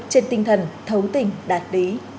trên tinh thần thấu tình đạt lý